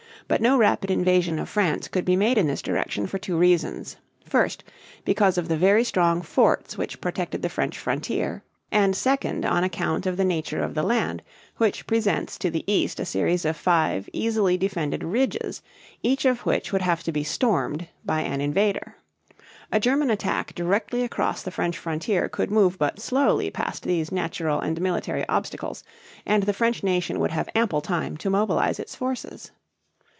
But no rapid invasion of France could be made in this direction for two reasons: first, because of the very strong forts which protected the French frontier; and second, on account of the nature of the land, which presents to the east a series of five easily defended ridges, each of which would have to be stormed by an invader. A German attack directly across the French frontier could move but slowly past these natural and military obstacles; and the French nation would have ample time to mobilize its forces.